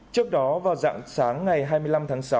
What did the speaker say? trước đó vào dạng sáng ngày hai mươi năm tháng sáu